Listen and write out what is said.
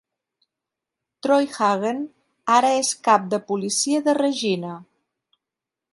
Troy Hagen ara es cap de policia de Regina.